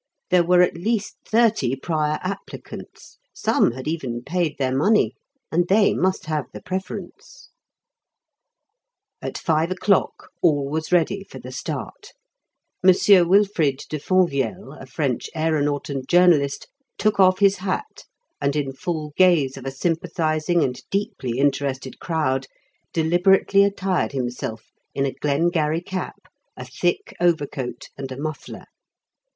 There were at least thirty prior applicants; some had even paid their money, and they must have the preference. At five o'clock all was ready for the start. M. Wilfrid de Fonvielle, a French aeronaut and journalist, took off his hat, and in full gaze of a sympathising and deeply interested crowd deliberately attired himself in a Glengarry cap, a thick overcoat, and a muffler.